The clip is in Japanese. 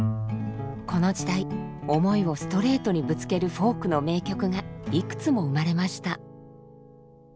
この時代思いをストレートにぶつけるフォークの名曲がいくつも生まれました。